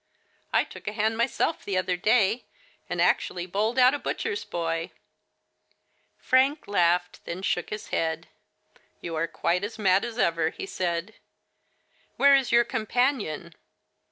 I took a hand myself the other day, and actually bowled out a butcher's boy !" Frank laughed, then shook his head. "You are quite as mad as ever," he said. " Where is your companion